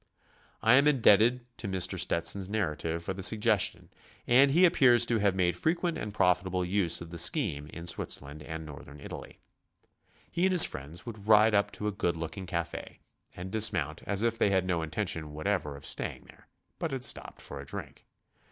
I am indebted to Mr. Stetson's narrative for thie suggestion and he appears to have made frequent and profitable use of the scheme in Switzerland and N'orthern Italy. He and his friends would ride up to a good looking cafe and dismount as if they had no intention whatever of staying there, but had stopped for a drink.